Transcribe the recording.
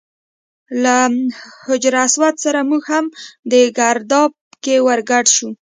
له حجر اسود سره موږ هم په ګرداب کې ور ګډ شو.